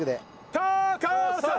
タカさん！